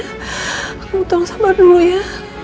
kamu tolong sabar dulu ya